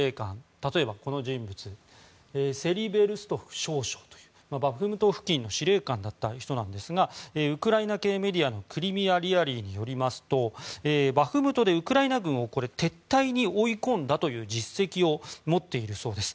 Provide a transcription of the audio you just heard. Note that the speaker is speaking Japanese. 例えばこの人物セリベルストフ少将というバフムト付近の司令官だった人なんですがウクライナ系メディアのクリミア・リアリィによりますとバフムトでウクライナ軍を撤退に追い込んだという実績を持っているそうです。